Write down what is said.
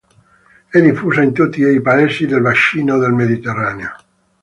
È diffusa in tutti i paesi del bacino del Mediterraneo.